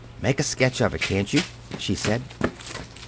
"Make a sketch of it, can't you?" she said.